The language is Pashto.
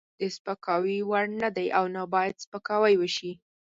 د سپکاوي وړ نه دی او نه باید سپکاوی وشي.